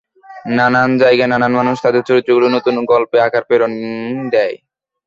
নানা জায়গা, নানা মানুষ, তাদের চরিত্রগুলো নতুন গল্প আঁকার প্রেরণা দেয়।